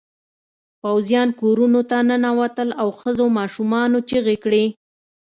پوځيان کورونو ته ننوتل او ښځو ماشومانو چیغې کړې.